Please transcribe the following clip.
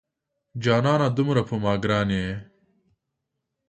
جانانه دومره په ما ګران یې